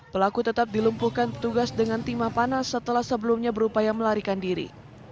pelaku tetap dilumpuhkan petugas dengan timah panas setelah sebelumnya berupaya melarikan diri